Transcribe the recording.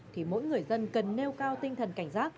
thì mỗi người dân cần nêu cao tinh thần cảnh giác